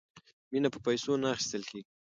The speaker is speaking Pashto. مینه په پیسو نه اخیستل کیږي.